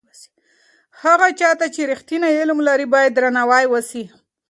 هغه چا ته چې رښتینی علم لري باید درناوی وسي.